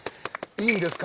いいんですか？